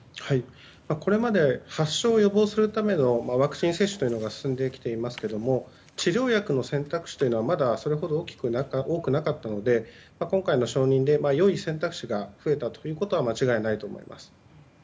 これまで発症を予防するためのワクチン接種というのが進んできていますけれども治療薬の選択肢というのはまだそれほど多くはなかったので今回の承認で良い選択肢が増えたということは間違いないと思います。